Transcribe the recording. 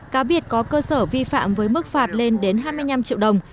cá biệt có cơ sở vi phạm với mức phạt lên đến hai mươi năm triệu đồng